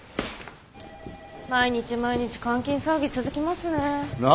毎日毎日監禁騒ぎ続きますね。な？